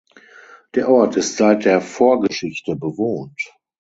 Der Ort ist seit der Vorgeschichte bewohnt.